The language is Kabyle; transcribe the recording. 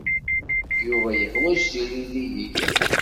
Yuba yeḥwaj tiririyin.